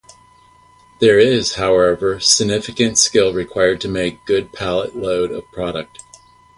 There is, however, significant skill required to make a good pallet load of product.